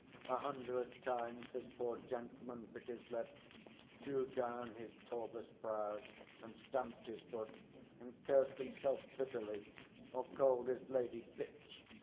A hundred times this poor gentleman bit his lip, drew down his torvous brows, and stamped his foot, and cursed himself bitterly, or called his lady bitch.